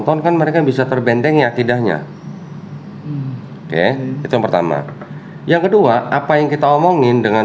penonton kan mereka bisa terbentengi akibatnya oke itu pertama yang kedua apa yang kita omongin dengan